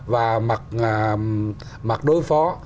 và mặt đối phó